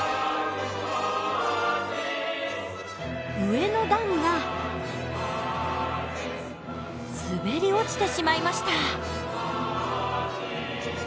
上の段が滑り落ちてしまいました。